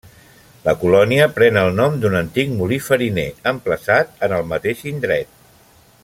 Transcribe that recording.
La colònia pren el nom d'un antic molí fariner, emplaçat en el mateix indret.